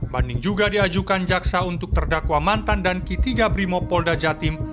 banding juga diajukan jaksa untuk terdakwa mantan dan kitiga brimo polda jatim